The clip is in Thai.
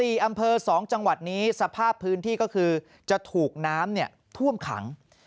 ๔อำเภอ๒จังหวัดนี้สภาพพื้นที่ก็คือจะถูกน้ำท่วมขัง